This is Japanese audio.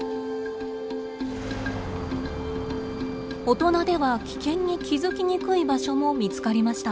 大人では危険に気づきにくい場所も見つかりました。